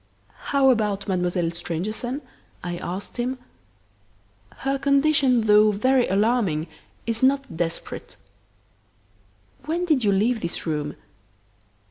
"How about Mademoiselle Stangerson?" I asked him. "Her condition, though very alarming, is not desperate." "When did you leave this room?"